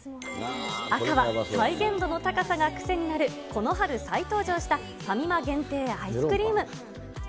赤は再現度の高さが癖になるこの春再登場したファミマ限定アイスクリーム。